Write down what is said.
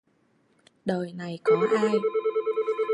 Đời này có ai